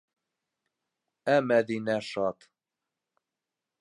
Ә Мәҙинә шат.